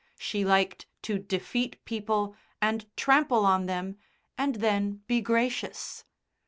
She liked to defeat people and trample on them and then be gracious.